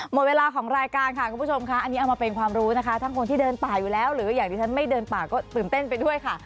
หมดเวลาของรายการค่ะคุณผู้ชมค่ะอันนี้เอามาเป็นความรู้นะคะทั้งคนที่เดินป่าอยู่แล้วหรืออย่างที่ฉันไม่เดินป่าก็ตื่นเต้นไปด้วยค่ะ